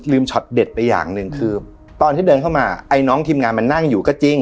ช็อตเด็ดไปอย่างหนึ่งคือตอนที่เดินเข้ามาไอ้น้องทีมงานมันนั่งอยู่ก็จริง